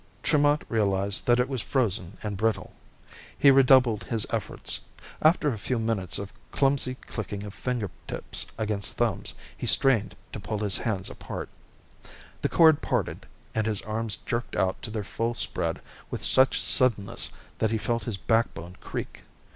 Tremont realized that it was frozen and brittle. He redoubled his efforts. After a few minutes of clumsy clicking of fingertips against thumbs, he strained to pull his hands apart. The cord parted and his arms jerked out to their full spread with such suddenness that he felt his backbone creak.